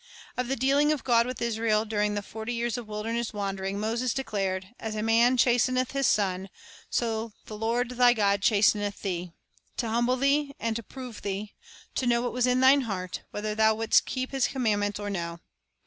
Of the dealing of God with Israel during the forty years of wilderness wandering, Moses declared: "As a man chasteneth his son, so the Lord thy God chasteneth thee;" "to humble thee, and to prove thee, to know what was in thine heart, whether thou wouldst keep His commandments, or no."